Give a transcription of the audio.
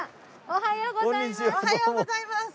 おはようございます。